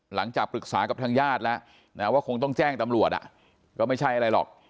หลังจากปรึกษากับทางญาติแล้วนะว่าคงต้องแจ้งตำรวจก็ไม่ใช่อะไรหรอก